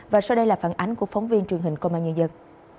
và sau đây là phản ánh của phóng viên truyền hình công an nhân dân